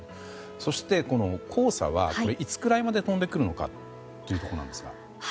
そして黄砂はいつくらいまで飛んでくるのかというところですが。